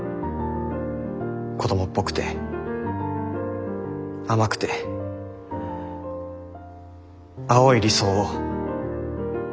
子供っぽくて甘くて青い理想を。